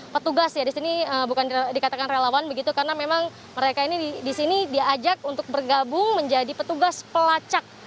petugas ya disini bukan dikatakan relawan begitu karena memang mereka ini disini diajak untuk bergabung menjadi petugas pelacak